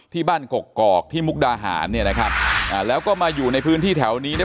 ที่บ้านกรกที่มุกดาหารเนี่ยนะครับแล้วก็มาอยู่ในพื้นที่แถวนี้